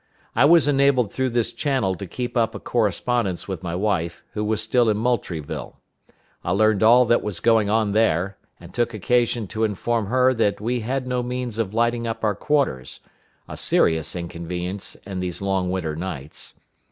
I was enabled through this channel to keep up a correspondence with my wife, who was still in Moultrieville. I learned all that was going on there, and took occasion to inform her that we had no means of lighting up our quarters a serious inconvenience in those long winter nights.